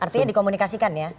artinya dikomunikasikan ya